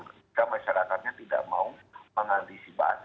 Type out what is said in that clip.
ketika masyarakatnya tidak mau mengantisipasi